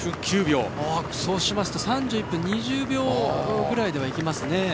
そうしますと３１分２０秒ぐらいではいきますね。